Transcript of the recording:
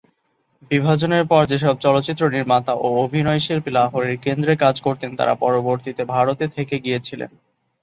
বিভাজনের পর যেসব চলচ্চিত্র নির্মাতা ও অভিনয়শিল্পী লাহোরের কেন্দ্রে কাজ করতেন তারা পরবর্তীতে ভারতে থেকে গিয়েছিলেন।